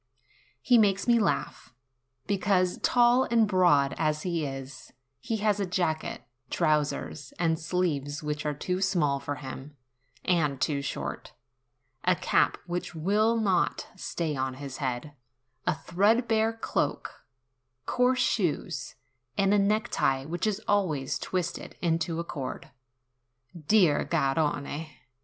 He makes me laugh, because, tall and broad as he is, he has a jacket, trousers, and sleeves which are too small for him, and too short; a cap which will not stay on his head ; a threadbare cloak ; coarse shoes ; and 26 MY FRIEND GARRONE 27 a necktie which is always twisted into a cord. Dear Garrone !